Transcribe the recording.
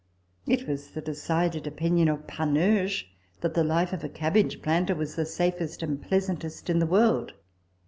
It was the decided opinion of Panurge that the life of a cabbage planter was the safest and pleasantest in the world.